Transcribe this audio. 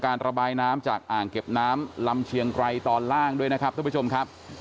ระบายน้ำจากอ่างเก็บน้ำลำเชียงไกรตอนล่างด้วยนะครับท่านผู้ชมครับ